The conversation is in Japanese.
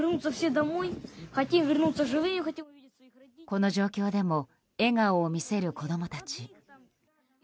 この状況でも笑顔を見せる子供たち。